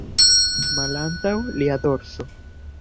Malantaŭ lia dorso.